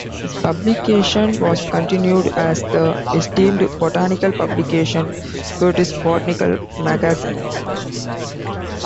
His publication was continued as the esteemed botanical publication, "Curtis's Botanical Magazine".